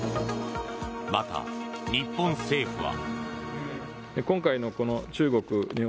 また、日本政府は。